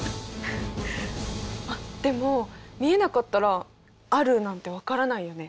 あっでも見えなかったらあるなんて分からないよね？